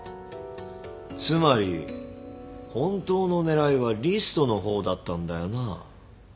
つまり本当の狙いはリストの方だったんだよな？